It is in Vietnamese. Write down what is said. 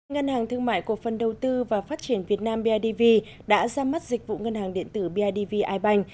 ngân hàng thương mại cổ phần đầu tư và phát triển việt nam bidv đã ra mắt dịch vụ ngân hàng điện tử bidv ibank